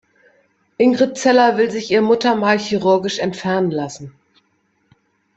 Ingrid Zeller will sich ihr Muttermal chirurgisch entfernen lassen.